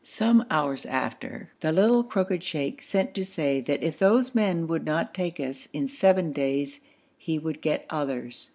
Some hours after the little crooked sheikh sent to say that if those men would not take us in seven days he would get others.